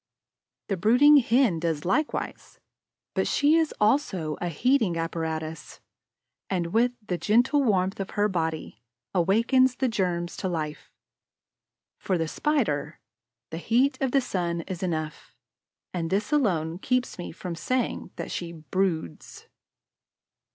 The brooding Hen does likewise, but she is also a heating apparatus and, with the gentle warmth of her body, awakens the germs to life. For the Spider, the heat of the sun is enough; and this alone keeps me from saying that she "broods."